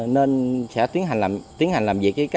nên sẽ tiến hành làm việc